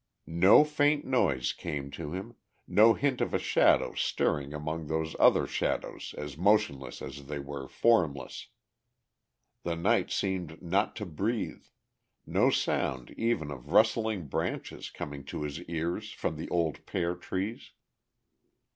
No faint noise came to him, no hint of a shadow stirring among those other shadows as motionless as they were formless. The night seemed not to breathe, no sound even of rustling branches coming to his ears from the old pear trees.